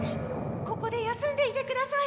ここで休んでいてください。